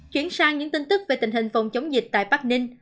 chuyển sang những tin tức về tình hình phòng chống dịch tại bắc ninh